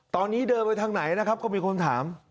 ตอนนี้เดินไปทางไหนนะครับก็มีคนถาม